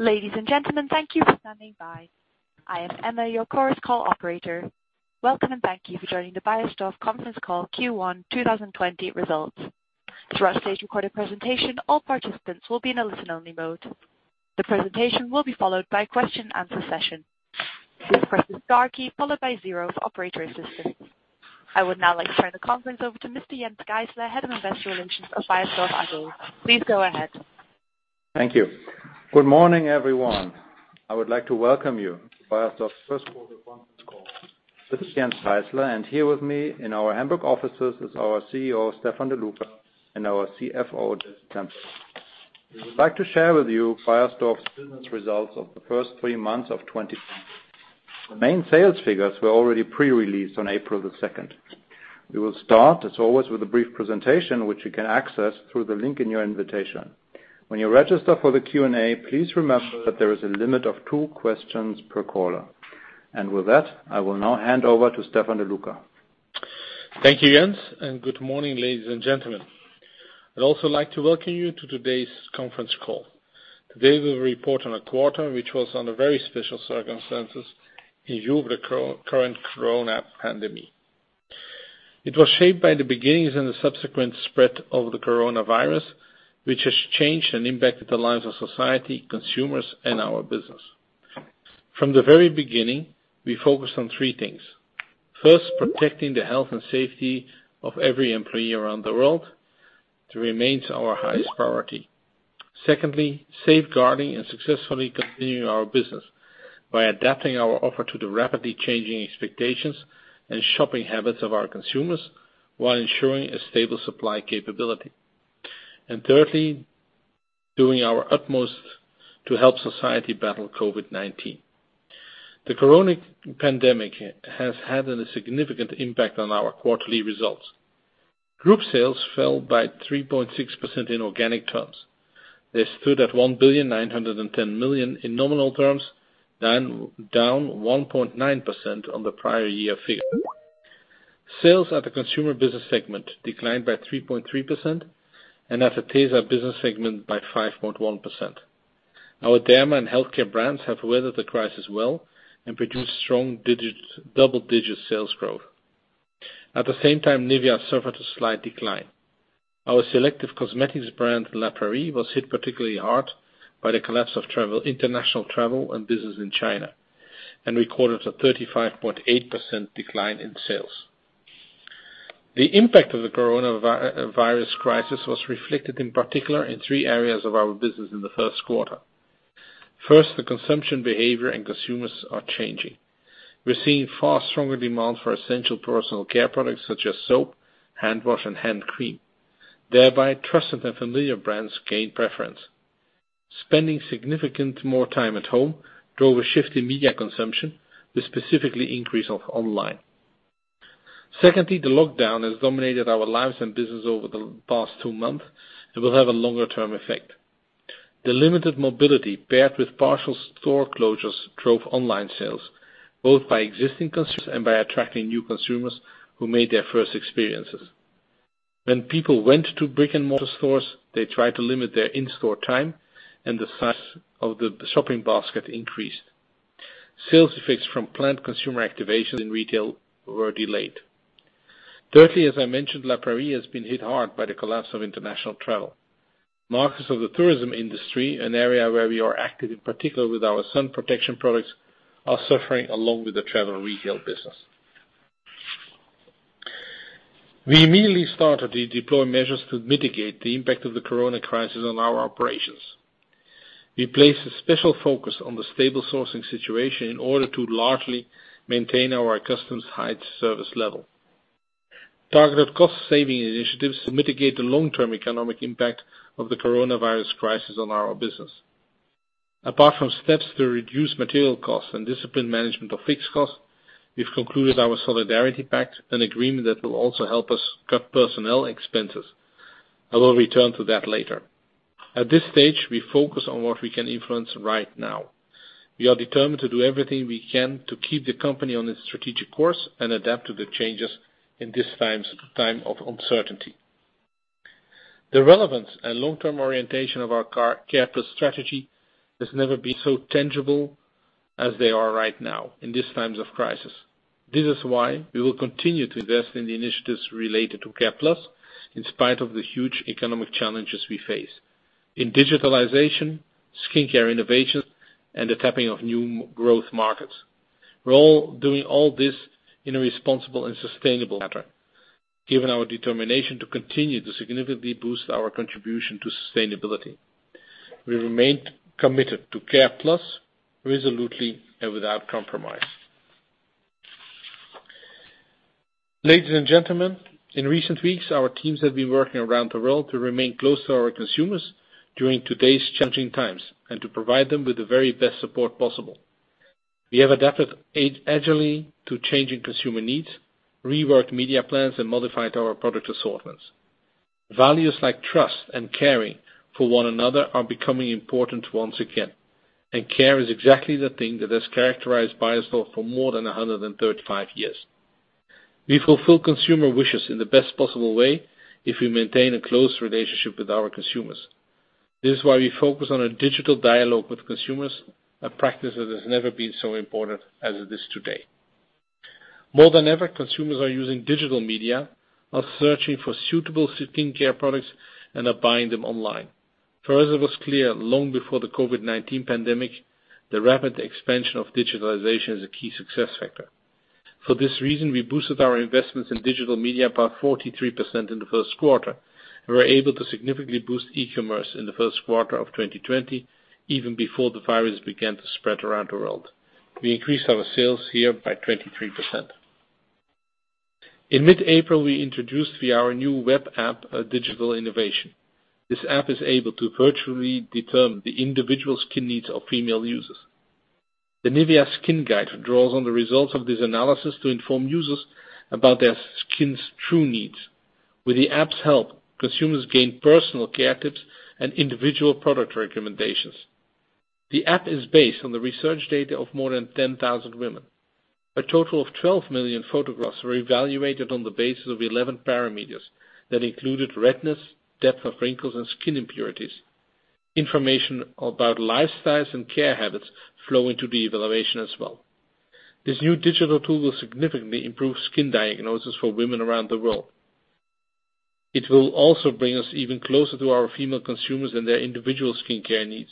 Ladies and gentlemen, thank you for standing by. I am Emma, your chorus call operator. Welcome and thank you for joining the Beiersdorf conference call Q1 2020 results. Throughout today's recorded presentation, all participants will be in a listen-only mode. The presentation will be followed by a question-and-answer session. This process is star key, followed by zero for operator assistance. I would now like to turn the conference over to Mr. Jens Geissler, Head of Investor Relations at Beiersdorf AG. Please go ahead. Thank you. Good morning, everyone. I would like to welcome you to Beiersdorf's first quarter conference call. This is Jens Geissler, and here with me in our Hamburg office is our CEO, Stefan De Loecker, and our CFO, Dessi Temperley. We would like to share with you Beiersdorf's business results of the first three months of 2020. The main sales figures were already pre-released on April the 2nd. We will start, as always, with a brief presentation, which you can access through the link in your invitation. When you register for the Q&A, please remember that there is a limit of two questions per caller. And with that, I will now hand over to Stefan De Loecker. Thank you, Jens, and good morning, ladies and gentlemen. I'd also like to welcome you to today's conference call. Today, we will report on a quarter which was under very special circumstances in view of the current corona pandemic. It was shaped by the beginnings and the subsequent spread of the coronavirus, which has changed and impacted the lives of society, consumers, and our business. From the very beginning, we focused on three things. First, protecting the health and safety of every employee around the world remains our highest priority. Secondly, safeguarding and successfully continuing our business by adapting our offer to the rapidly changing expectations and shopping habits of our consumers while ensuring a stable supply capability. And thirdly, doing our utmost to help society battle COVID-19. The corona pandemic has had a significant impact on our quarterly results. Group sales fell by 3.6% in organic terms. They stood at 1.91 billion in nominal terms, down 1.9% on the prior year figure. Sales at the consumer business segment declined by 3.3%, and at the tesa business segment by 5.1%. Our derma and healthcare brands have weathered the crisis well and produced strong double-digit sales growth. At the same time, NIVEA suffered a slight decline. Our selective cosmetics brand, LA PRAIRIE, was hit particularly hard by the collapse of international travel and business in China and recorded a 35.8% decline in sales. The impact of the coronavirus crisis was reflected in particular in three areas of our business in the first quarter. First, the consumption behavior and consumers are changing. We're seeing far stronger demand for essential personal care products such as soap, hand wash, and hand cream. Thereby, trusted and familiar brands gain preference. Spending significantly more time at home drove a shift in media consumption, with a specific increase of online. Secondly, the lockdown has dominated our lives and business over the past two months and will have a longer-term effect. The limited mobility paired with partial store closures drove online sales, both by existing consumers and by attracting new consumers who made their first experiences. When people went to brick-and-mortar stores, they tried to limit their in-store time, and the size of the shopping basket increased. Sales effects from planned consumer activations in retail were delayed. Thirdly, as I mentioned, LA PRAIRIE has been hit hard by the collapse of international travel. Markets of the tourism industry, an area where we are active, in particular with our sun protection products, are suffering along with the travel retail business. We immediately started to deploy measures to mitigate the impact of the corona crisis on our operations. We placed a special focus on the stable sourcing situation in order to largely maintain our customary high service level. Targeted cost-saving initiatives mitigate the long-term economic impact of the coronavirus crisis on our business. Apart from steps to reduce material costs and disciplined management of fixed costs, we've concluded our solidarity pact, an agreement that will also help us cut personnel expenses. I will return to that later. At this stage, we focus on what we can influence right now. We are determined to do everything we can to keep the company on its strategic course and adapt to the changes in this time of uncertainty. The relevance and long-term orientation of our C.A.R.E.+ strategy has never been so tangible as they are right now in these times of crisis. This is why we will continue to invest in the initiatives related to C.A.R.E.+ in spite of the huge economic challenges we face in digitalization, skincare innovation, and the tapping of new growth markets. We're all doing all this in a responsible and sustainable manner, given our determination to continue to significantly boost our contribution to sustainability. We remain committed to C.A.R.E.+ resolutely and without compromise. Ladies and gentlemen, in recent weeks, our teams have been working around the world to remain close to our consumers during today's challenging times and to provide them with the very best support possible. We have adapted agilely to changing consumer needs, reworked media plans, and modified our product assortments. Values like trust and caring for one another are becoming important once again, and care is exactly the thing that has characterized Beiersdorf for more than 135 years. We fulfill consumer wishes in the best possible way if we maintain a close relationship with our consumers. This is why we focus on a digital dialogue with consumers, a practice that has never been so important as it is today. More than ever, consumers are using digital media, are searching for suitable skincare products, and are buying them online. For us, it was clear long before the COVID-19 pandemic that rapid expansion of digitalization is a key success factor. For this reason, we boosted our investments in digital media by 43% in the first quarter and were able to significantly boost e-commerce in the first quarter of 2020, even before the virus began to spread around the world. We increased our sales here by 23%. In mid-April, we introduced our new web app, NIVEA SKiN GUiDE. This app is able to virtually determine the individual skin needs of female users. The NIVEA SKiN GUiDE draws on the results of this analysis to inform users about their skin's true needs. With the app's help, consumers gain personal care tips and individual product recommendations. The app is based on the research data of more than 10,000 women. A total of 12 million photographs were evaluated on the basis of 11 parameters that included redness, depth of wrinkles, and skin impurities. Information about lifestyles and care habits flow into the evaluation as well. This new digital tool will significantly improve skin diagnosis for women around the world. It will also bring us even closer to our female consumers and their individual skincare needs.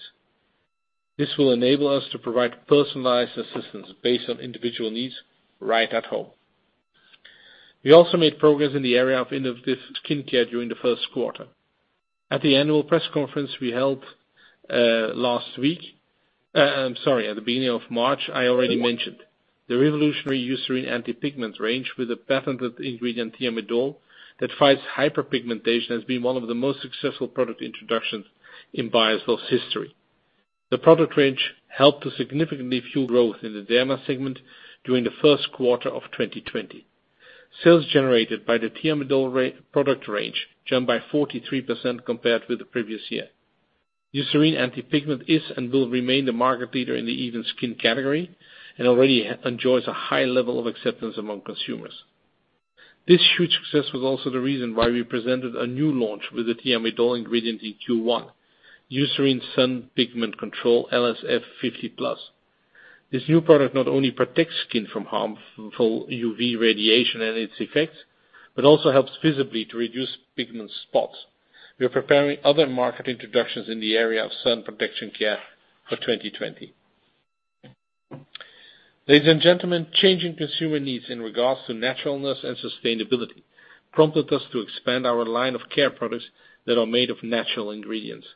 This will enable us to provide personalized assistance based on individual needs right at home. We also made progress in the area of innovative skincare during the first quarter. At the annual press conference we held last week, sorry, at the beginning of March, I already mentioned the revolutionary Eucerin Anti-Pigment range with the patented ingredient Thiamidol that fights hyperpigmentation has been one of the most successful product introductions in Beiersdorf's history. The product range helped to significantly fuel growth in the derma segment during the first quarter of 2020. Sales generated by the Thiamidol product range jumped by 43% compared with the previous year. Eucerin Anti-Pigment is and will remain the market leader in the even skin category and already enjoys a high level of acceptance among consumers. This huge success was also the reason why we presented a new launch with the Thiamidol ingredient in Q1, Eucerin Sun Pigment Control LSF 50+. This new product not only protects skin from harmful UV radiation and its effects but also helps visibly to reduce pigment spots. We are preparing other market introductions in the area of sun protection care for 2020. Ladies and gentlemen, changing consumer needs in regards to naturalness and sustainability prompted us to expand our line of care products that are made of natural ingredients.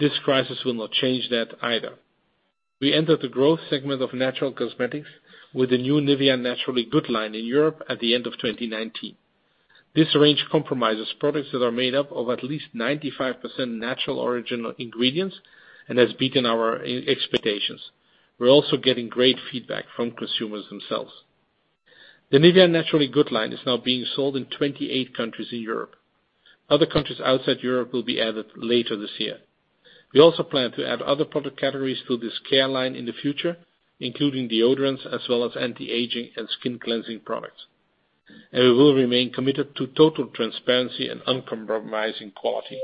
This crisis will not change that either. We entered the growth segment of natural cosmetics with the new Nivea Naturally Good line in Europe at the end of 2019. This range comprises products that are made up of at least 95% natural origin ingredients and has beaten our expectations. We're also getting great feedback from consumers themselves. The Nivea Naturally Good line is now being sold in 28 countries in Europe. Other countries outside Europe will be added later this year. We also plan to add other product categories to this care line in the future, including deodorants as well as anti-aging and skin cleansing products. We will remain committed to total transparency and uncompromising quality.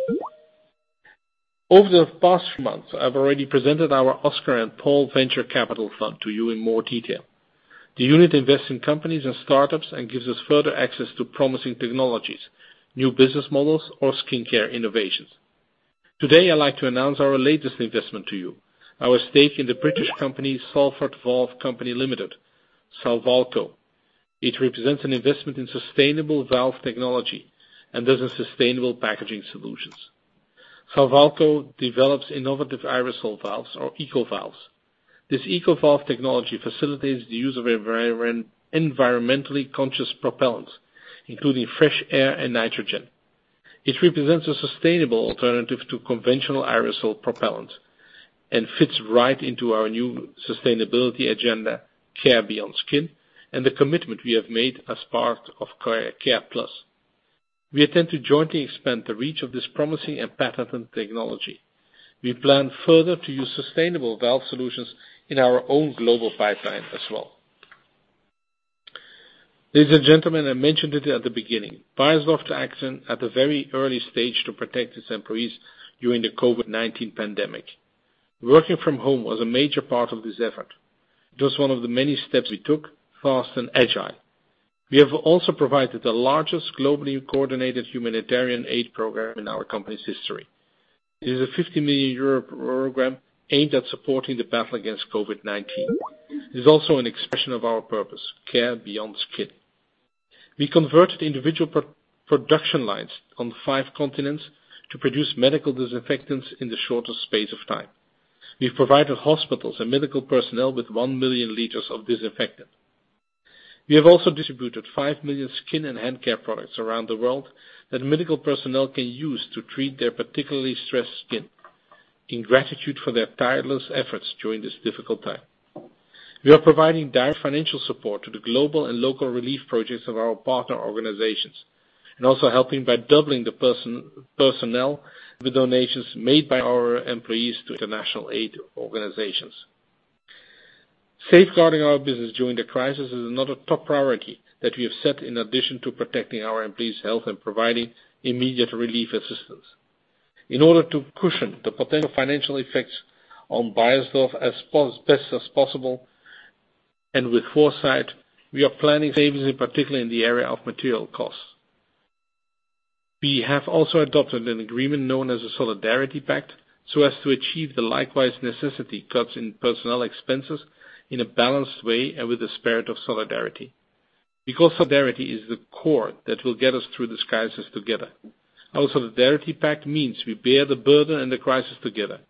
Over the past few months, I've already presented our Oscar and Paul Venture Capital Fund to you in more detail. The unit invests in companies and startups and gives us further access to promising technologies, new business models, or skincare innovations. Today, I'd like to announce our latest investment to you: our stake in the British company Salford Valve Company Ltd., Salvalco. It represents an investment in sustainable valve technology and those sustainable packaging solutions. Salvalco develops innovative aerosol valves, or EcoValves. This EcoValve technology facilitates the use of environmentally conscious propellants, including fresh air and nitrogen. It represents a sustainable alternative to conventional aerosol propellants and fits right into our new sustainability agenda, Care Beyond Skin, and the commitment we have made as part of C.A.R.E.+. We intend to jointly expand the reach of this promising and patented technology. We plan further to use sustainable valve solutions in our own global pipeline as well. Ladies and gentlemen, I mentioned it at the beginning: Beiersdorf acts at the very early stage to protect its employees during the COVID-19 pandemic. Working from home was a major part of this effort. It was one of the many steps we took, fast and agile. We have also provided the largest globally coordinated humanitarian aid program in our company's history. It is a 50 million euro program aimed at supporting the battle against COVID-19. It is also an expression of our purpose: Care Beyond Skin. We converted individual production lines on five continents to produce medical disinfectants in the shortest space of time. We've provided hospitals and medical personnel with one million liters of disinfectant. We have also distributed five million skin and hand care products around the world that medical personnel can use to treat their particularly stressed skin in gratitude for their tireless efforts during this difficult time. We are providing direct financial support to the global and local relief projects of our partner organizations and also helping by doubling the donations made by our employees to international aid organizations. Safeguarding our business during the crisis is another top priority that we have set in addition to protecting our employees' health and providing immediate relief assistance. In order to cushion the potential financial effects on Beiersdorf as best as possible and with foresight, we are planning savings, particularly in the area of material costs. We have also adopted an agreement known as the Solidarity Pact so as to achieve the likewise necessary cuts in personnel expenses in a balanced way and with a spirit of solidarity. Because solidarity is the core that will get us through this crisis together. Our Solidarity Pact means we bear the burden and the crisis together.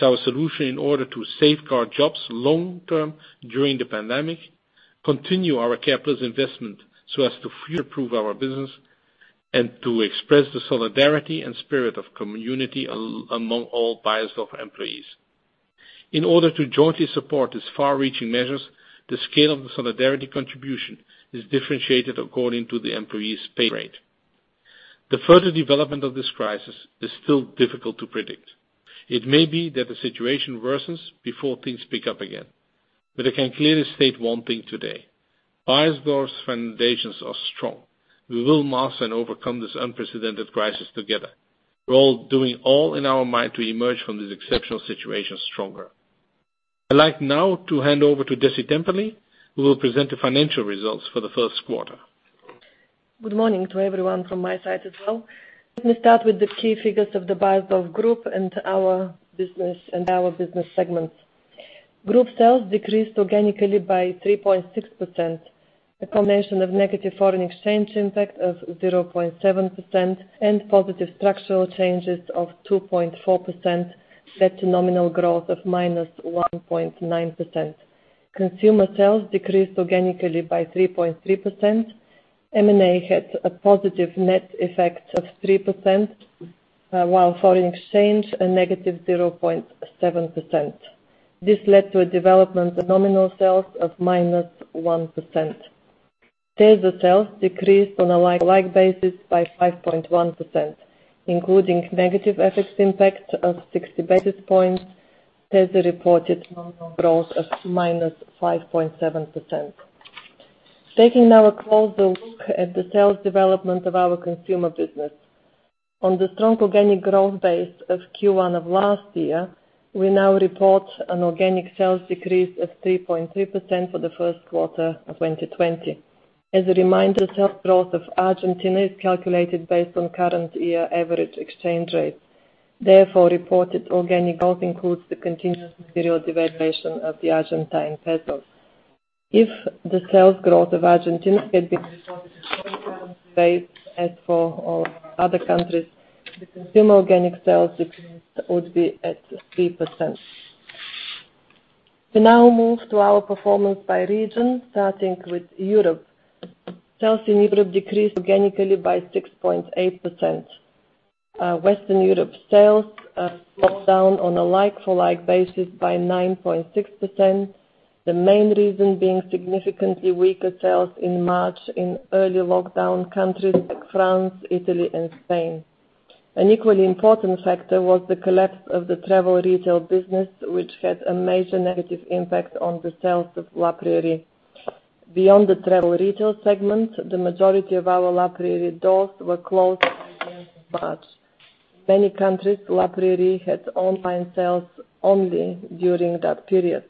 It's our solution in order to safeguard jobs long-term during the pandemic, continue our C.A.R.E.+ investment so as to further improve our business, and to express the solidarity and spirit of community among all Beiersdorf employees. In order to jointly support these far-reaching measures, the scale of the solidarity contribution is differentiated according to the employee's pay grade. The further development of this crisis is still difficult to predict. It may be that the situation worsens before things pick up again. But I can clearly state one thing today: Beiersdorf's foundations are strong. We will master and overcome this unprecedented crisis together. We're all doing all in our might to emerge from this exceptional situation stronger. I'd like now to hand over to Dessi Temperley, who will present the financial results for the first quarter. Good morning to everyone from my side as well. Let me start with the key figures of the Beiersdorf Group and our business segments. Group sales decreased organically by 3.6%, a combination of negative foreign exchange impact of 0.7% and positive structural changes of 2.4% led to nominal growth of -1.9%. Consumer sales decreased organically by 3.3%. M&A had a positive net effect of 3%, while foreign exchange a -0.7%. This led to a development of nominal sales of -1%. Tesa sales decreased on a like-for-like basis by 5.1%, including negative effects impact of 60 basis points. Tesa reported nominal growth of -5.7%. Taking now a closer look at the sales development of our consumer business. On the strong organic growth base of Q1 of last year, we now report an organic sales decrease of 3.3% for the first quarter of 2020. As a reminder, the sales growth of Argentina is calculated based on current year average exchange rates. Therefore, reported organic growth includes the continuous material devaluation of the Argentine peso. If the sales growth of Argentina had been reported on the current base as for all other countries, the consumer organic sales decrease would be at 3%. We now move to our performance by region, starting with Europe. Sales in Europe decreased organically by 6.8%. Western Europe sales declined on a like-for-like basis by 9.6%, the main reason being significantly weaker sales in March in early lockdown countries like France, Italy, and Spain. An equally important factor was the collapse of the travel retail business, which had a major negative impact on the sales of LA PRAIRIE. Beyond the travel retail segment, the majority of our LA PRAIRIE doors were closed by the end of March. In many countries, LA PRAIRIE had online sales only during that period.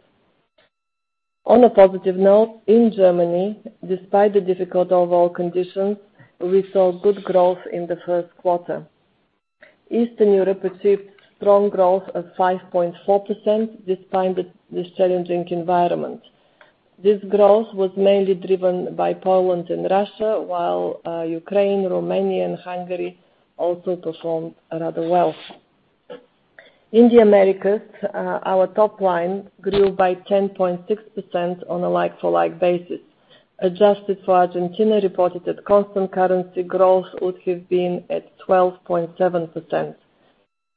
On a positive note, in Germany, despite the difficult overall conditions, we saw good growth in the first quarter. Eastern Europe achieved strong growth of 5.4% despite this challenging environment. This growth was mainly driven by Poland and Russia, while Ukraine, Romania, and Hungary also performed rather well. In the Americas, our top line grew by 10.6% on a like-for-like basis. Adjusted for Argentina, reported that constant currency growth would have been at 12.7%.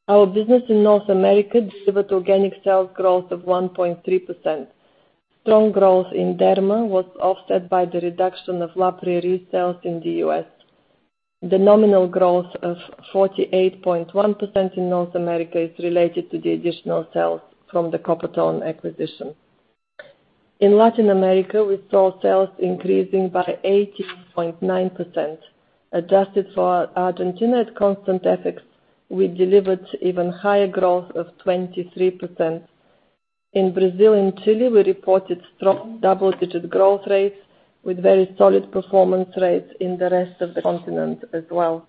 Our business in North America delivered organic sales growth of 1.3%. Strong growth in Derma was offset by the reduction of LA PRAIRIE sales in the U.S. The nominal growth of 48.1% in North America is related to the additional sales from the Coppertone acquisition. In Latin America, we saw sales increasing by 18.9%. Adjusted for Argentina at constant effects, we delivered even higher growth of 23%. In Brazil and Chile, we reported strong double-digit growth rates with very solid performance rates in the rest of the continent as well.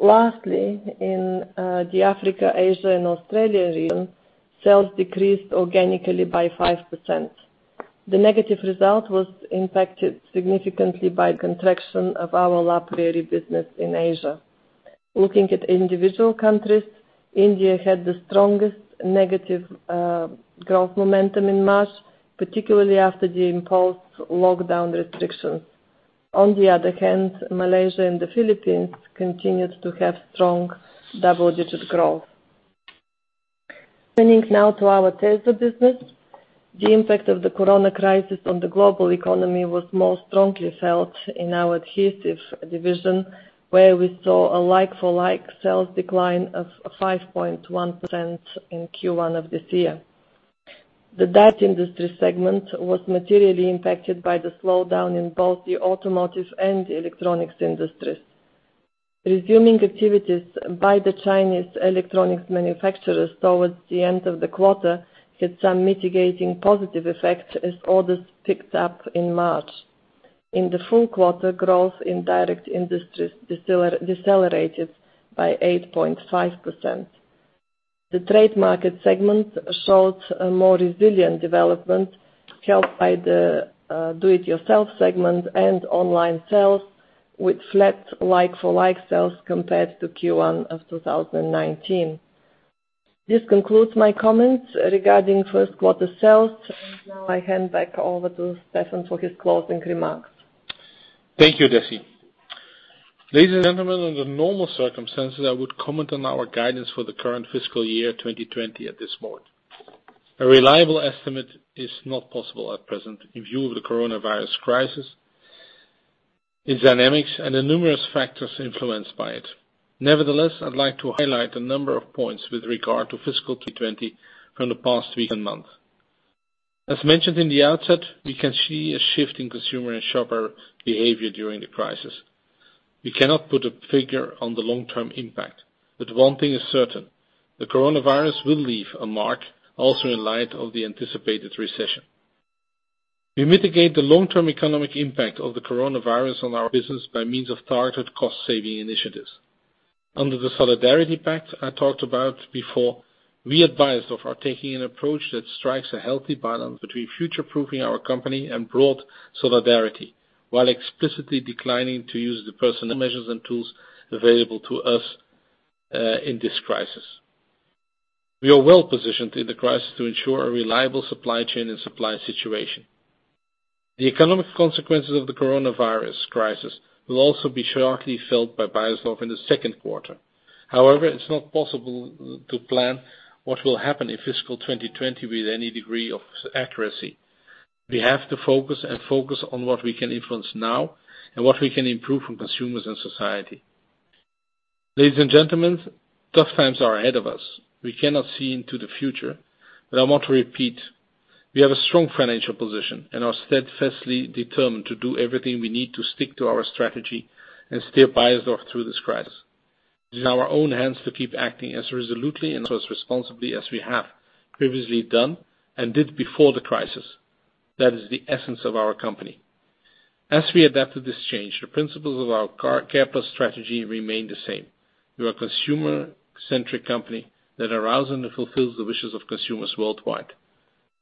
Lastly, in the Africa, Asia, and Australian region, sales decreased organically by 5%. The negative result was impacted significantly by the contraction of our LA PRAIRIE business in Asia. Looking at individual countries, India had the strongest negative growth momentum in March, particularly after the imposed lockdown restrictions. On the other hand, Malaysia and the Philippines continued to have strong double-digit growth. Turning now to our Tesa business, the impact of the corona crisis on the global economy was most strongly felt in our adhesive division, where we saw a like-for-like sales decline of 5.1% in Q1 of this year. The industrial segment was materially impacted by the slowdown in both the automotive and electronics industries. Resuming activities by the Chinese electronics manufacturers towards the end of the quarter had some mitigating positive effects as orders picked up in March. In the full quarter, growth in industrial decelerated by 8.5%. The trade market segment showed a more resilient development, helped by the do-it-yourself segment and online sales, with flat like-for-like sales compared to Q1 of 2019. This concludes my comments regarding first quarter sales. Now I hand back over to Stefan for his closing remarks. Thank you, Dessi. Ladies and gentlemen, under normal circumstances, I would comment on our guidance for the current fiscal year 2020 at this moment. A reliable estimate is not possible at present in view of the coronavirus crisis, its dynamics, and the numerous factors influenced by it. Nevertheless, I'd like to highlight a number of points with regard to fiscal 2020 from the past three months. As mentioned in the outset, we can see a shift in consumer and shopper behavior during the crisis. We cannot put a figure on the long-term impact, but one thing is certain: the coronavirus will leave a mark, also in light of the anticipated recession. We mitigate the long-term economic impact of the coronavirus on our business by means of targeted cost-saving initiatives. Under the Solidarity Pact I talked about before, we advised of our taking an approach that strikes a healthy balance between future-proofing our company and broad solidarity, while explicitly declining to use the personal measures and tools available to us in this crisis. We are well positioned in the crisis to ensure a reliable supply chain and supply situation. The economic consequences of the coronavirus crisis will also be sharply felt by Beiersdorf in the second quarter. However, it's not possible to plan what will happen in fiscal 2020 with any degree of accuracy. We have to focus on what we can influence now and what we can improve for consumers and society. Ladies and gentlemen, tough times are ahead of us. We cannot see into the future, but I want to repeat: we have a strong financial position and are steadfastly determined to do everything we need to stick to our strategy and steer Beiersdorf through this crisis. It is in our own hands to keep acting as resolutely and as responsibly as we have previously done and did before the crisis. That is the essence of our company. As we adapt to this change, the principles of our C.A.R.E.+ strategy remain the same. We are a consumer-centric company that arouses and fulfills the wishes of consumers worldwide,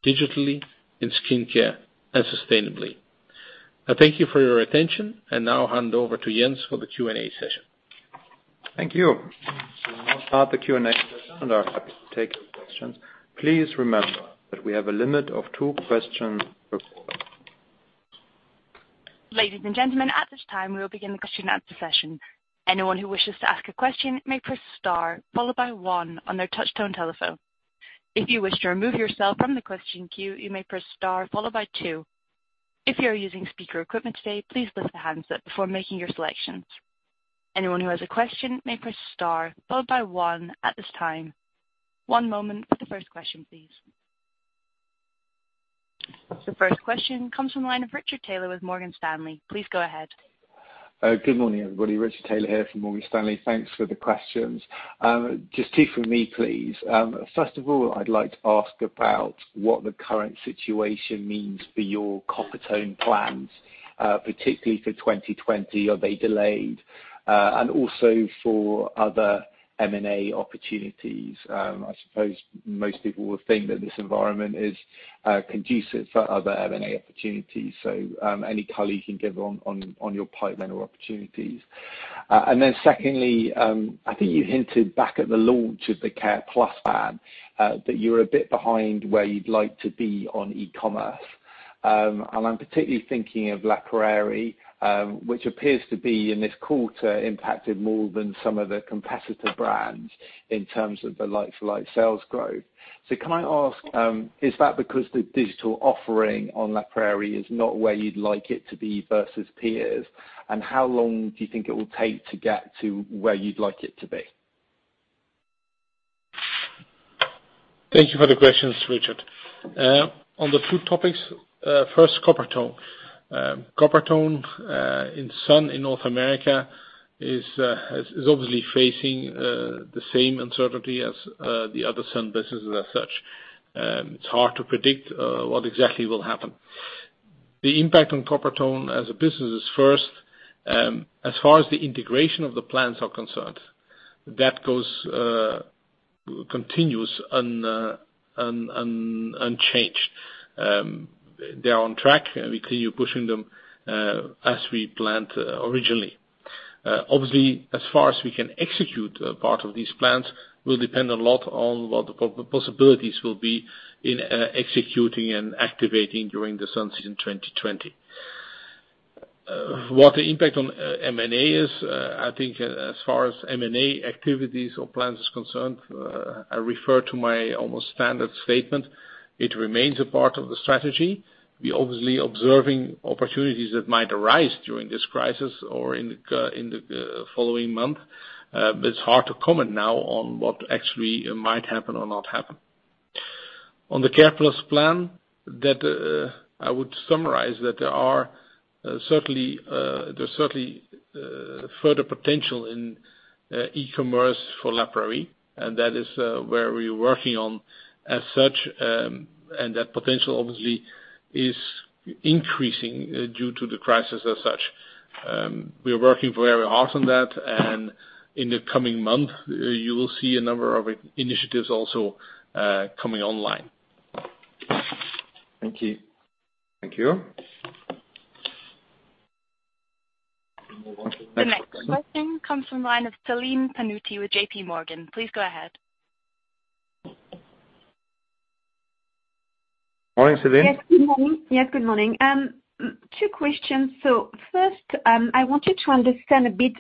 digitally, in skincare, and sustainably. I thank you for your attention and now hand over to Jens for the Q&A session. Thank you. We will now start the Q&A session and are happy to take questions. Please remember that we have a limit of two questions per quarter. Ladies and gentlemen, at this time, we will begin the question-and-answer session. Anyone who wishes to ask a question may press star followed by one on their touch-tone telephone. If you wish to remove yourself from the question queue, you may press star followed by two. If you are using speaker equipment today, please lift the handset before making your selections. Anyone who has a question may press star followed by one at this time. One moment for the first question, please. The first question comes from the line of Richard Taylor with Morgan Stanley. Please go ahead. Good morning, everybody. Richard Taylor here from Morgan Stanley. Thanks for the questions. Just two from me, please. First of all, I'd like to ask about what the current situation means for your Coppertone plans, particularly for 2020. Are they delayed? And also for other M&A opportunities. I suppose most people will think that this environment is conducive for other M&A opportunities. So any color you can give on your pipeline or opportunities. And then secondly, I think you hinted back at the launch of the C.A.R.E.+ plan that you're a bit behind where you'd like to be on e-commerce. And I'm particularly thinking of LA PRAIRIE, which appears to be in this quarter impacted more than some of the competitor brands in terms of the like-for-like sales growth. So can I ask, is that because the digital offering on LA PRAIRIE is not where you'd like it to be versus peers? And how long do you think it will take to get to where you'd like it to be? Thank you for the questions, Richard. On the two topics, first, Coppertone. Coppertone in SUN in North America is obviously facing the same uncertainty as the other SUN businesses as such. It's hard to predict what exactly will happen. The impact on Coppertone as a business is first, as far as the integration of the plans are concerned, that goes continuous and unchanged. They're on track, and we continue pushing them as we planned originally. Obviously, as far as we can execute part of these plans, it will depend a lot on what the possibilities will be in executing and activating during the SUN season 2020. What the impact on M&A is, I think as far as M&A activities or plans are concerned, I refer to my almost standard statement: it remains a part of the strategy. We're obviously observing opportunities that might arise during this crisis or in the following month, but it's hard to comment now on what actually might happen or not happen. On the C.A.R.E.+ plan, I would summarize that there are certainly further potential in e-commerce for LA PRAIRIE, and that is where we're working on as such. And that potential obviously is increasing due to the crisis as such. We're working very hard on that, and in the coming month, you will see a number of initiatives also coming online. Thank you. Thank you. The next question comes from the line of Celine Pannuti with JPMorgan. Please go ahead. Morning, Celine. Yes, good morning. Yes, good morning. Two questions. So first, I want you to understand a bit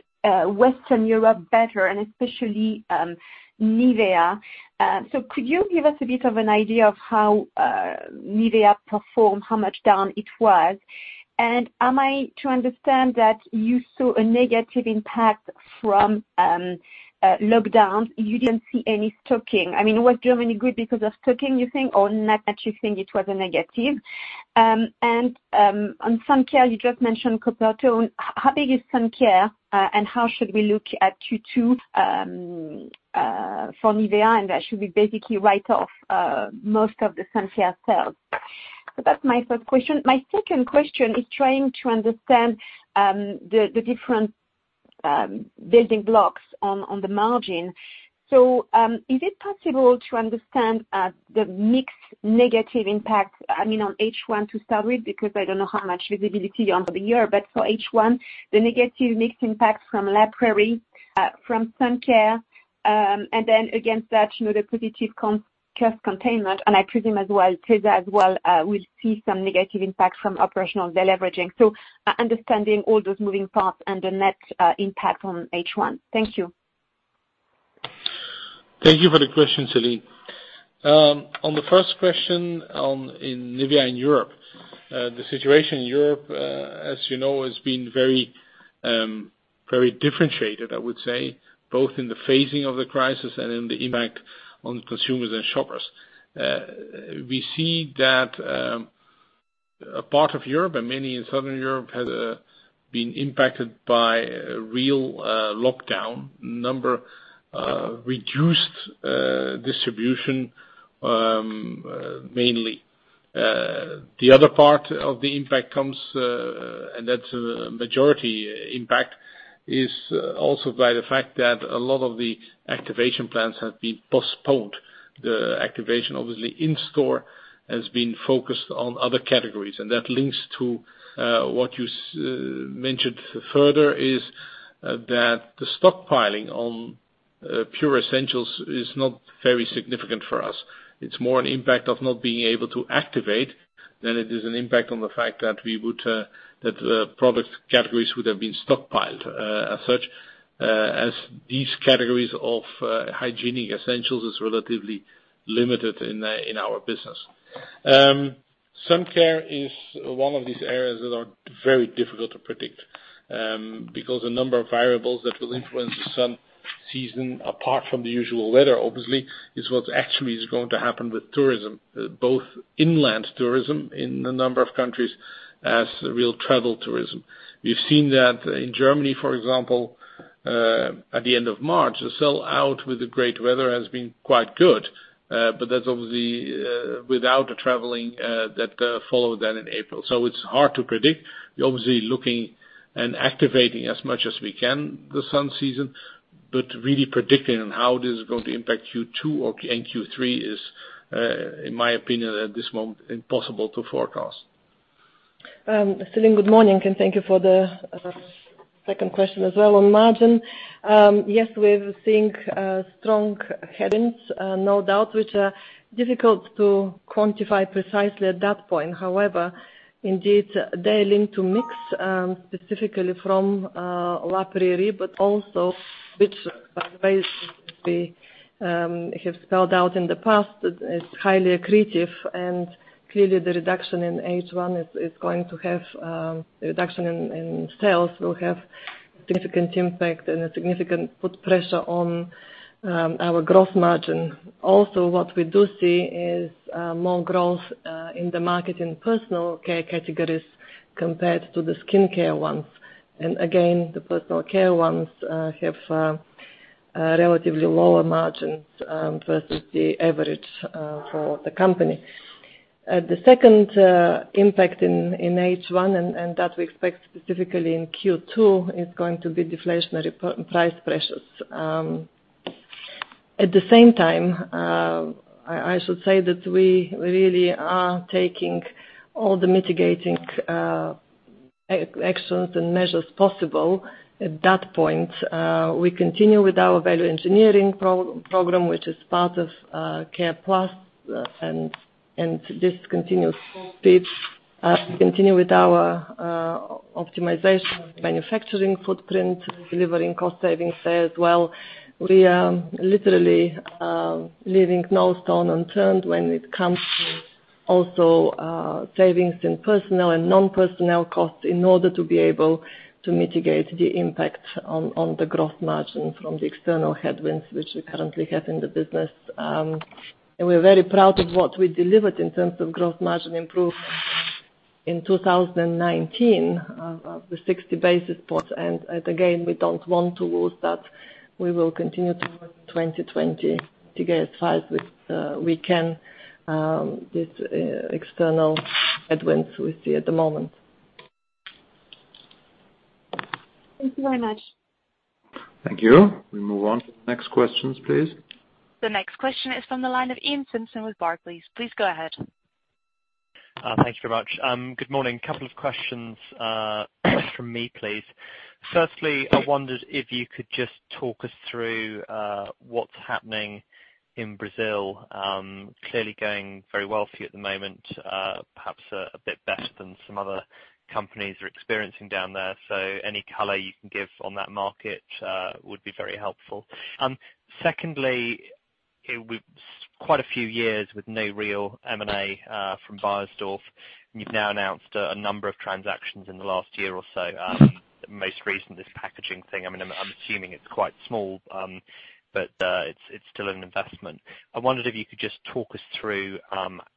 Western Europe better, and especially Nivea. So could you give us a bit of an idea of how Nivea performed, how much down it was? And am I to understand that you saw a negative impact from lockdowns? You didn't see any stocking. I mean, was Germany good because of stocking, you think, or not that you think it was a negative? And on suncare, you just mentioned Coppertone. How big is suncare, and how should we look at Q2 for Nivea? And that should be basically write-off most of the suncare sales. So that's my first question. My second question is trying to understand the different building blocks on the margin. So is it possible to understand the mix negative impact, I mean, on H1 to start with? Because I don't know how much visibility for the year, but for H1, the negative FX impact from LA PRAIRIE, from sun care, and then against that, the positive cost containment. And I presume as well, Tesa as well, will see some negative impact from operational deleveraging. So understanding all those moving parts and the net impact on H1. Thank you. Thank you for the question, Celine. On the first question on Nivea in Europe, the situation in Europe, as you know, has been very differentiated, I would say, both in the phasing of the crisis and in the impact on consumers and shoppers. We see that a part of Europe and many in Southern Europe have been impacted by real lockdown, namely reduced distribution mainly. The other part of the impact comes, and that's a majority impact, is also by the fact that a lot of the activation plans have been postponed. The activation, obviously, in-store has been focused on other categories, and that links to what you mentioned further, is that the stockpiling on pure essentials is not very significant for us. It's more an impact of not being able to activate than it is an impact on the fact that the product categories would have been stockpiled as such, as these categories of hygienic essentials are relatively limited in our business. Sun care is one of these areas that are very difficult to predict because a number of variables that will influence the sun season, apart from the usual weather, obviously, is what actually is going to happen with tourism, both inland tourism in a number of countries as real travel tourism. We've seen that in Germany, for example, at the end of March, the sell-out with the great weather has been quite good, but that's obviously without the traveling that followed that in April. So it's hard to predict. We're obviously looking and activating as much as we can the sun season, but really predicting how it is going to impact Q2 and Q3 is, in my opinion, at this moment, impossible to forecast. Celine, good morning, and thank you for the second question as well on margin. Yes, we're seeing strong headwinds, no doubt, which are difficult to quantify precisely at that point. However, indeed, they link to mix specifically from LA PRAIRIE, but also which, by the way, we have spelled out in the past, is highly accretive. Clearly, the reduction in H1 is going to have. The reduction in sales will have a significant impact and significantly put pressure on our gross margin. Also, what we do see is more growth in the market in personal care categories compared to the skincare ones. Again, the personal care ones have relatively lower margins versus the average for the company. The second impact in H1, and that we expect specifically in Q2, is going to be deflationary price pressures. At the same time, I should say that we really are taking all the mitigating actions and measures possible at that point. We continue with our value engineering program, which is part ofC.A.R.E.+, and this continues at speed. We continue with our optimization of manufacturing footprint, delivering cost savings there as well. We are literally leaving no stone unturned when it comes to also savings in personnel and non-personnel costs in order to be able to mitigate the impact on the gross margin from the external headwinds which we currently have in the business. And we're very proud of what we delivered in terms of gross margin improvement in 2019, the 60 basis points. And again, we don't want to lose that. We will continue to work in 2020 to get as far as we can these external headwinds we see at the moment. Thank you very much. Thank you. We move on to the next questions, please. The next question is from the line of Iain Simpson with Barclays. Please go ahead. Thank you very much. Good morning. Couple of questions from me, please. Firstly, I wondered if you could just talk us through what's happening in Brazil. Clearly, going very well for you at the moment, perhaps a bit better than some other companies are experiencing down there. So any color you can give on that market would be very helpful. Secondly, it was quite a few years with no real M&A from Beiersdorf, and you've now announced a number of transactions in the last year or so. Most recent, this packaging thing. I mean, I'm assuming it's quite small, but it's still an investment. I wondered if you could just talk us through,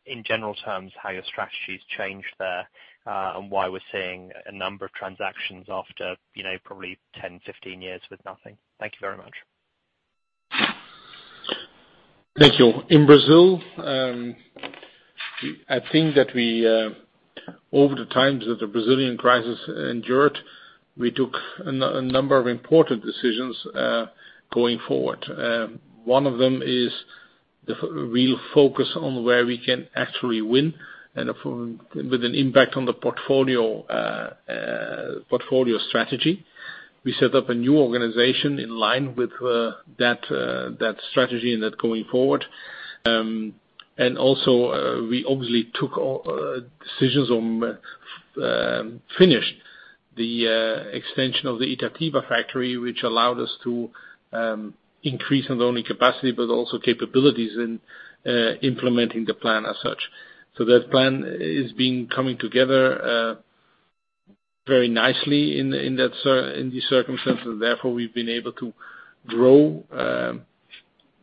in general terms, how your strategy has changed there and why we're seeing a number of transactions after probably 10, 15 years with nothing. Thank you very much. Thank you. In Brazil, I think that over the times that the Brazilian crisis endured, we took a number of important decisions going forward. One of them is the real focus on where we can actually win with an impact on the portfolio strategy. We set up a new organization in line with that strategy and that going forward. And also, we obviously took decisions on finish the extension of the Itatiba factory, which allowed us to increase not only capacity but also capabilities in implementing the plan as such. So that plan is coming together very nicely in these circumstances. Therefore, we've been able to grow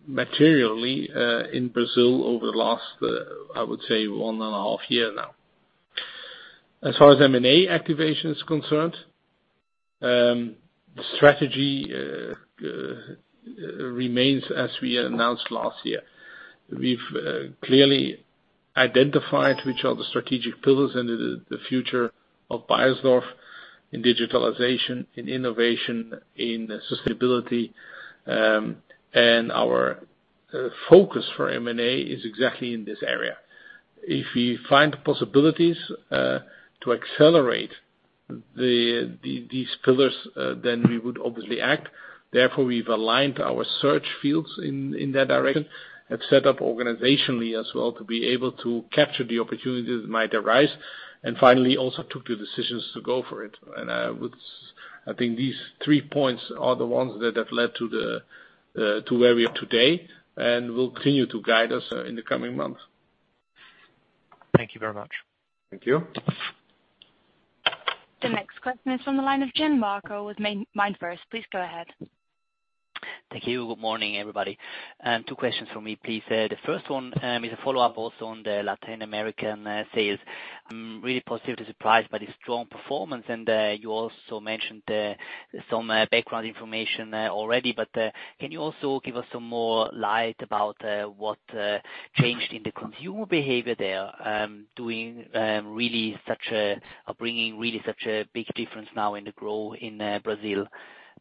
materially in Brazil over the last, I would say, one and a half years now. As far as M&A activation is concerned, the strategy remains as we announced last year. We've clearly identified which are the strategic pillars and the future of Beiersdorf in digitalization, in innovation, in sustainability. And our focus for M&A is exactly in this area. If we find possibilities to accelerate these pillars, then we would obviously act. Therefore, we've aligned our search fields in that direction and set up organizationally as well to be able to capture the opportunities that might arise. And finally, also took the decisions to go for it. And I think these three points are the ones that have led to where we are today and will continue to guide us in the coming months. Thank you very much. Thank you. The next question is from the line of Gian Marco Werro with MainFirst, please go ahead. Thank you. Good morning, everybody. Two questions for me, please. The first one is a follow-up also on the Latin American sales. Really positively surprised by the strong performance. You also mentioned some background information already, but can you also shed some more light about what changed in the consumer behavior there, bringing really such a big difference now in the growth in Brazil?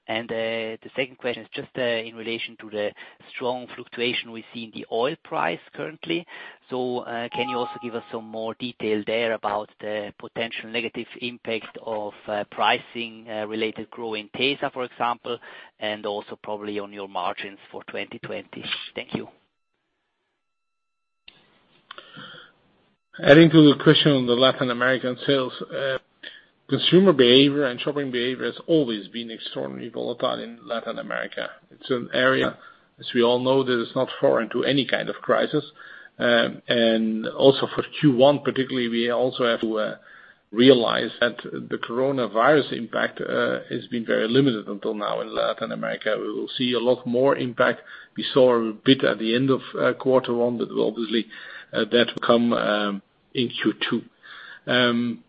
And the second question is just in relation to the strong fluctuation we see in the oil price currently. So can you also give us some more detail there about the potential negative impact of pricing related growing Tesa, for example, and also probably on your margins for 2020? Thank you. Adding to the question on the Latin American sales, consumer behavior and shopping behavior has always been extraordinarily volatile in Latin America. It's an area, as we all know, that is not foreign to any kind of crisis. And also for Q1, particularly, we also have to realize that the coronavirus impact has been very limited until now in Latin America. We will see a lot more impact. We saw a bit at the end of quarter one, but obviously, that will come in Q2.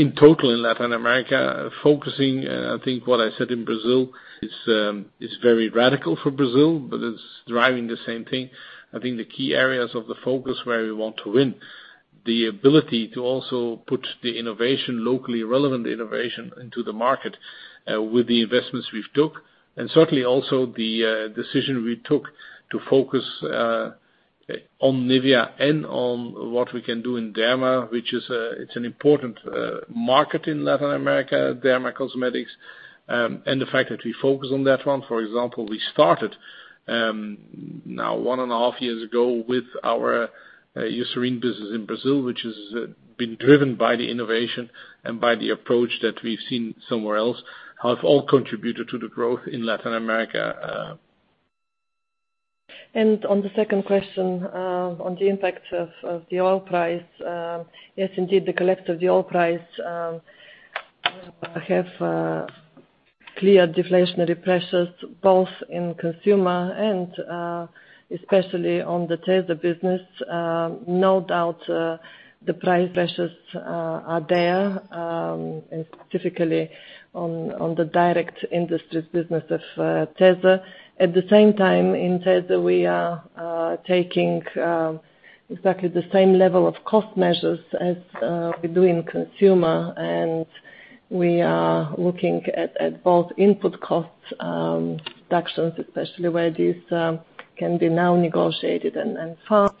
In total, in Latin America, focusing, and I think what I said in Brazil is very radical for Brazil, but it's driving the same thing. I think the key areas of the focus where we want to win, the ability to also put the innovation, locally relevant innovation, into the market with the investments we've took, and certainly also the decision we took to focus on Nivea and on what we can do in Derma, which is an important market in Latin America, Derma Cosmetics. And the fact that we focus on that one, for example, we started now one and a half years ago with our EUCERIN business in Brazil, which has been driven by the innovation and by the approach that we've seen somewhere else, have all contributed to the growth in Latin America. And on the second question on the impact of the oil price, yes, indeed, the collapse of the oil price has cleared deflationary pressures both in consumer and especially on the Tesa business. No doubt, the price pressures are there, specifically on the direct industries business of tesa. At the same time, in Tesa, we are taking exactly the same level of cost measures as we do in consumer, and we are looking at both input cost reductions, especially where these can be now negotiated and fast,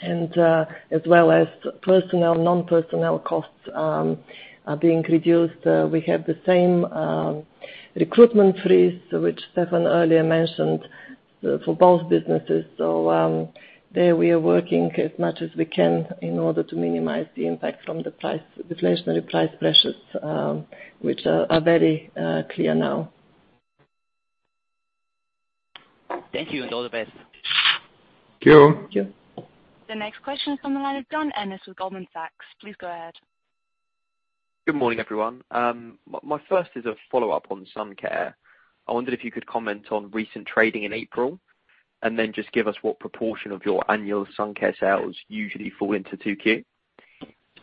and as well as personnel, non-personnel costs are being reduced. We have the same recruitment freeze, which Stefan earlier mentioned, for both businesses. So there, we are working as much as we can in order to minimize the impact from the deflationary price pressures, which are very clear now. Thank you, and all the best. Thank you. The next question is from the line of John Ennis with Goldman Sachs. Please go ahead. Good morning, everyone. My first is a follow-up on SUNCARE. I wondered if you could comment on recent trading in April and then just give us what proportion of your annual SUNCARE sales usually fall into 2Q.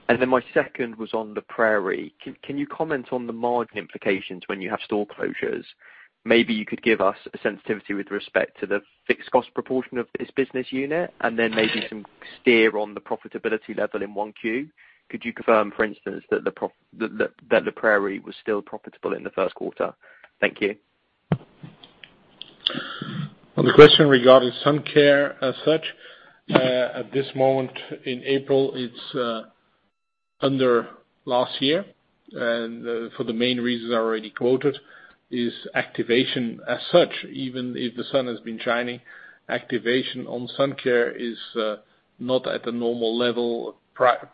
And then my second was on LA PRAIRIE. Can you comment on the margin implications when you have store closures? Maybe you could give us a sensitivity with respect to the fixed cost proportion of this business unit and then maybe some steer on the profitability level in 1Q. Could you confirm, for instance, that LA PRAIRIE was still profitable in the first quarter? Thank you. On the question regarding suncare as such, at this moment in April, it's under last year. And for the main reasons I already quoted, is activation as such. Even if the sun has been shining, activation on suncare is not at a normal level,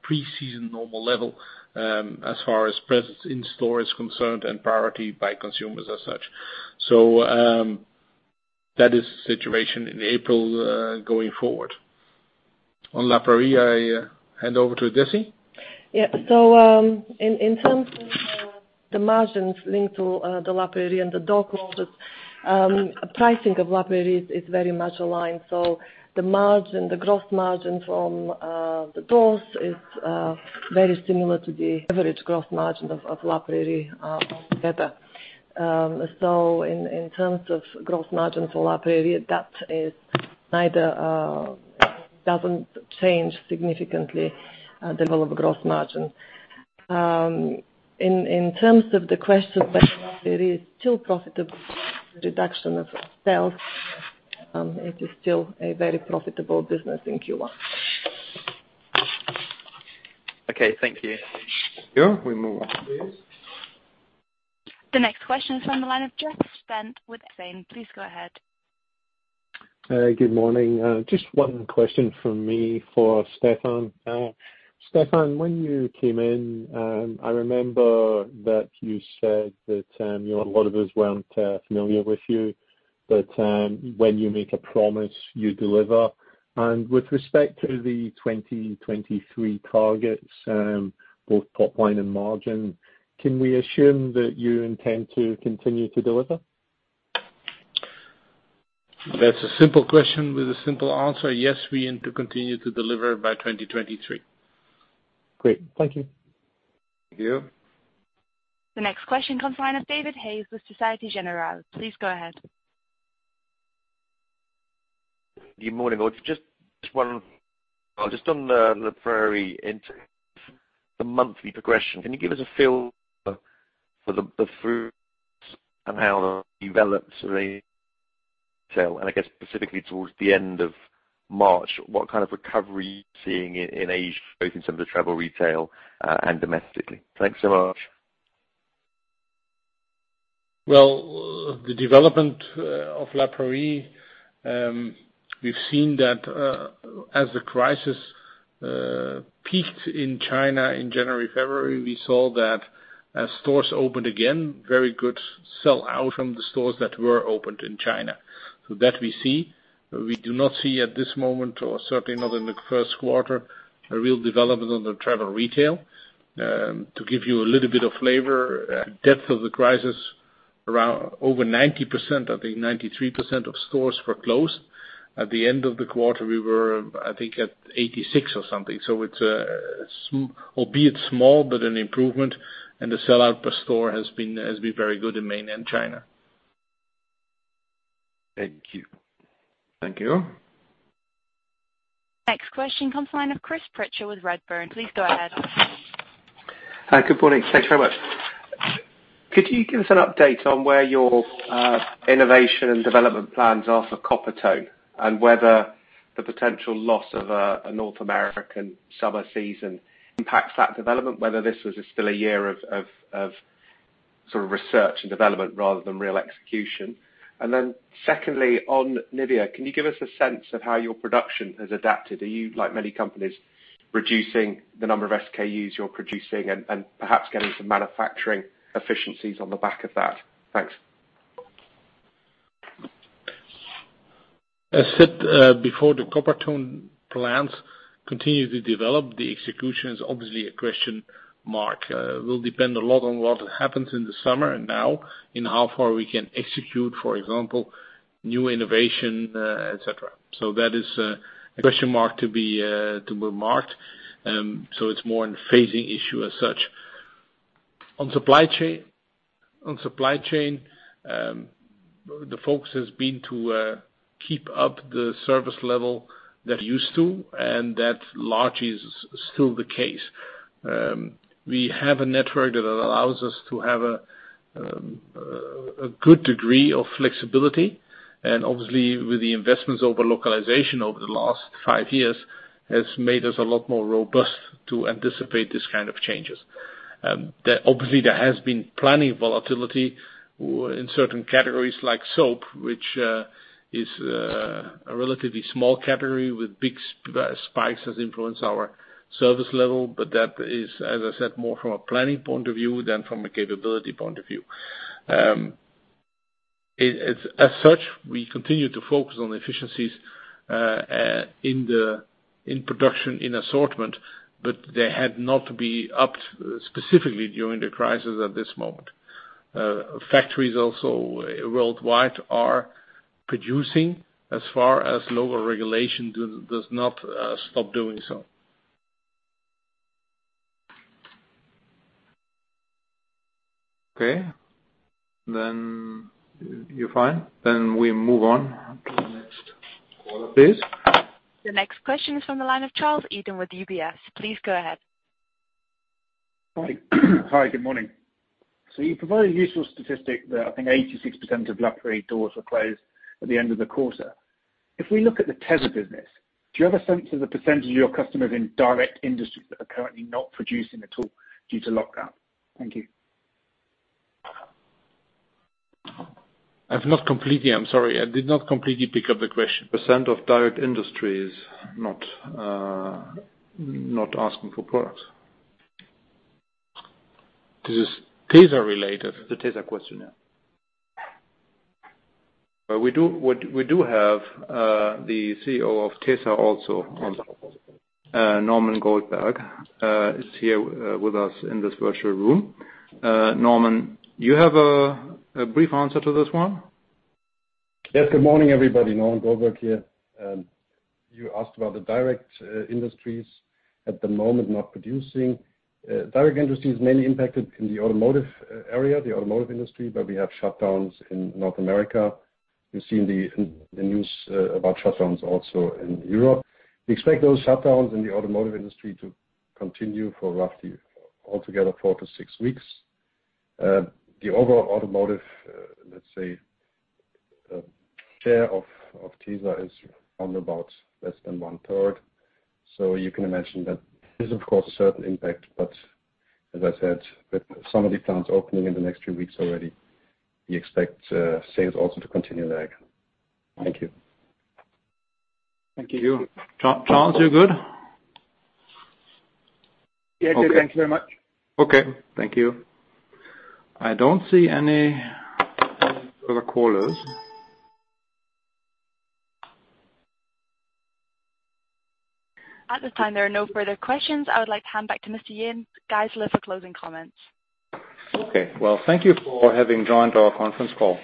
pre-season normal level, as far as presence in stores concerned and priority by consumers as such. So that is the situation in April going forward. On LA PRAIRIE, I hand over to Dessi. Yeah. So in terms of the margins linked to the LA PRAIRIE and the door closures, pricing of LA PRAIRIE is very much aligned. So the gross margin from the doors is very similar to the average gross margin of LA PRAIRIE together. So in terms of gross margin for LA PRAIRIE, that doesn't change significantly the level of gross margin. In terms of the question whether LA PRAIRIE is still profitable, the reduction of sales, it is still a very profitable business in Q1. Okay. Thank you. Sure. We move on, please. The next question is from the line of Jeff Stent with Exane. Please go ahead. Good morning. Just one question from me for Stefan. Stefan, when you came in, I remember that you said that a lot of us weren't familiar with you, but when you make a promise, you deliver. And with respect to the 2023 targets, both top line and margin, can we assume that you intend to continue to deliver? That's a simple question with a simple answer. Yes, we intend to continue to deliver by 2023. Great. Thank you. Thank you. The next question comes from the line of David Hayes with Société Générale. Please go ahead. Good morning. Just on LA PRAIRIE and the monthly progression. Can you give us a feel for the first and how it developed in retail? And I guess specifically towards the end of March, what kind of recovery are you seeing in Asia, both in terms of travel retail and domestically? Thanks so much. The development of LA PRAIRIE, we've seen that as the crisis peaked in China in January-February, we saw that stores opened again, very good sell-out from the stores that were opened in China. So that we see. We do not see at this moment, or certainly not in the first quarter, a real development on the travel retail. To give you a little bit of flavor, the depth of the crisis, over 90%, I think 93% of stores were closed. At the end of the quarter, we were, I think, at 86% or something. So it's albeit small, but an improvement, and the sell-out per store has been very good in mainland China. Thank you. Thank you. Next question comes from the line of Chris Pitcher with Redburn. Please go ahead. Hi. Good morning. Thanks very much. Could you give us an update on where your innovation and development plans are for Coppertone and whether the potential loss of a North American summer season impacts that development, whether this was still a year of sort of research and development rather than real execution? And then secondly, on Nivea, can you give us a sense of how your production has adapted? Are you, like many companies, reducing the number of SKUs you're producing and perhaps getting some manufacturing efficiencies on the back of that? Thanks. As said before, the COPPERTONE plans continue to develop. The execution is obviously a question mark. It will depend a lot on what happens in the summer and in how far we can execute, for example, new innovation, etc. So that is a question mark to be marked. So it's more in the phasing issue as such. On supply chain, the focus has been to keep up the service level that used to, and that largely is still the case. We have a network that allows us to have a good degree of flexibility. And obviously, with the investments in localization over the last five years, it has made us a lot more robust to anticipate these kinds of changes. Obviously, there has been planning volatility in certain categories like soap, which is a relatively small category with big spikes that influence our service level. But that is, as I said, more from a planning point of view than from a capability point of view. As such, we continue to focus on efficiencies in production in assortment, but they had not to be upped specifically during the crisis at this moment. Factories also worldwide are producing as far as local regulation does not stop doing so. Okay. Then you're fine. Then we move on to the next caller, please. The next question is from the line of Charles Eden with UBS. Please go ahead. Hi. Hi. Good morning. So you provided a useful statistic that I think 86% of LA PRAIRIE doors were closed at the end of the quarter. If we look at the Tesa business, do you have a sense of the percentage of your customers in direct industries that are currently not producing at all due to lockdown? Thank you. I did not completely pick up the question. Percent of direct industries not asking for products? This is Tesa-related. The Tesa questionnaire. We do have the CEO of tesa also on the line. Norman Goldberg is here with us in this virtual room. Norman, do you have a brief answer to this one? Yes. Good morning, everybody. Norman Goldberg here. You asked about the direct industries at the moment not producing. Direct industry is mainly impacted in the automotive area, the automotive industry, but we have shutdowns in North America. We've seen the news about shutdowns also in Europe. We expect those shutdowns in the automotive industry to continue for roughly altogether four-to-six weeks. The overall automotive, let's say, share of Tesa is on about less than 1/3. So you can imagine that there is, of course, a certain impact. But as I said, with some of the plants opening in the next few weeks already, we expect sales also to continue to lag. Thank you. Thank you. Charles, you're good? Yeah. Good. Thank you very much. Okay. Thank you. I don't see any further callers. At this time, there are no further questions. I would like to hand back to Mr. Jens Geissler. Guys, we'll have a closing comment. Okay. Well, thank you for having joined our conference call.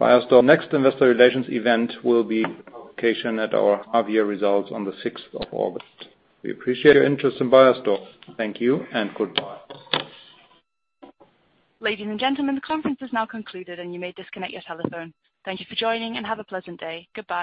Beiersdorf's next investor relations event will be the publication of our half-year results on the 6th of August. We appreciate your interest in Beiersdorf. Thank you and goodbye. Ladies and gentlemen, the conference is now concluded, and you may disconnect your telephone. Thank you for joining and have a pleasant day. Goodbye.